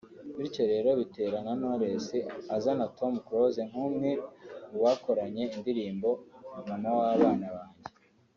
bityo rero bituma na Knowless azana Tom Close nk’umwe mubakoranye indirimbo “Mama w’Abana banjye”